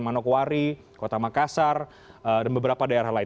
manokwari kota makassar dan beberapa daerah lain